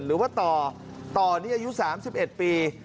หรือว่าต่อต่อนี่อายุ๓๑ปี